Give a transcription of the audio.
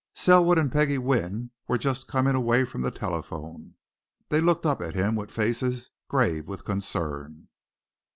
Selwood and Peggie Wynne were just coming away from the telephone; they looked up at him with faces grave with concern.